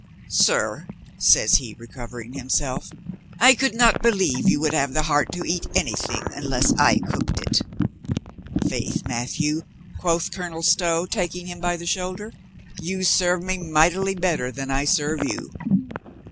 "Sir," says he, recovering himself, "I could not believe you would have the heart to eat anything un less I cooked it." "Faith, Matthieu," quoth Colonel Stow, taking him by the shoulder, "you serve me mightily better than I serve you."